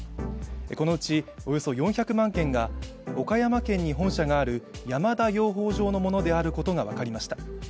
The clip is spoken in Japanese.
このうちおよそ４００万件が岡山県に本社がある山田養蜂場のものであることが分かりました。